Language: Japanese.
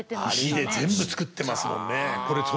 石で全部造ってますもんね。